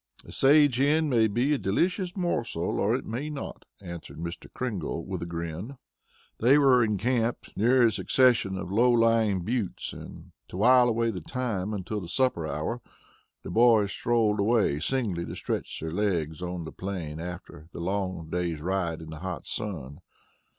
A sage hen may be a delicious morsel, or it may not," answered Mr. Kringle, with a grin. They were encamped near a succession of low lying buttes, and to while away the time until the supper hour, the boys strolled away singly to stretch their legs on the plain after the long day's ride in the hot sun.